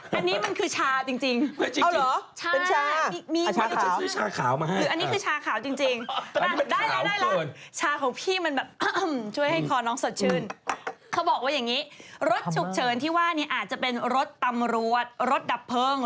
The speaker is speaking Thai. พี่เดี๋ยวนะอันนี้มันคือชาจริง